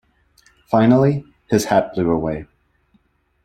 Finally, his hat blew away.